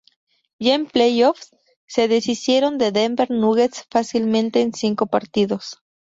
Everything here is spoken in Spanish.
Ya en playoffs, se deshicieron de Denver Nuggets fácilmente en cinco partidos.